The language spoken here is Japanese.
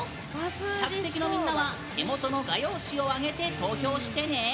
客席のみんなは手元の画用紙を挙げて投票してね。